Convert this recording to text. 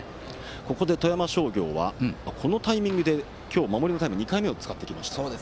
ここで富山商業はこのタイミングで今日２回目の守りのタイムを使ってきました。